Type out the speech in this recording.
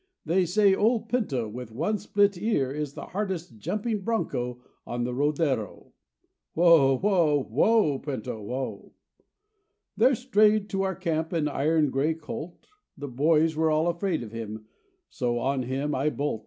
They say old Pinto with one split ear Is the hardest jumping broncho on the rodero. Whoa! Whoa! Whoa! Pinto, whoa! There strayed to our camp an iron gray colt; The boys were all fraid him so on him I bolt.